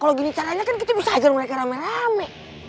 kalau gini caranya kan kita bisa ajar mereka rame rame